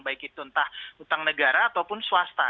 baik itu entah utang negara ataupun swasta